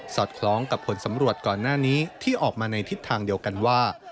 อดคล้องกับผลสำรวจก่อนหน้านี้ที่ออกมาในทิศทางเดียวกันว่า